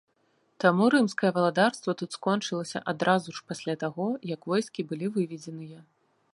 Таму рымскае валадарства тут скончылася адразу ж пасля таго, як войскі былі выведзеныя.